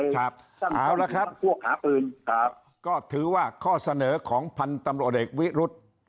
ถ้าตำรวจทำหน้าที่นะฮะของตัวเองนะครับ